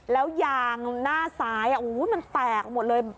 แล้วยางหน้าซ้ายมันแตกหมดเลย